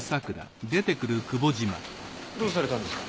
どうされたんですか？